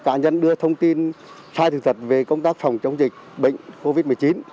chia sẻ thông tin bịa đặt sai sự thật liên quan đến dịch bệnh covid một mươi chín